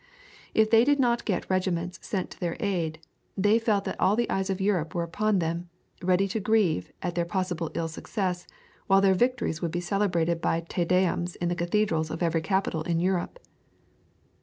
If they did not get regiments sent to their aid, they felt that the eyes of all Europe were upon them, ready to grieve at their possible ill success, while their victories would be celebrated by Te deums in the cathedrals of every capital in Europe.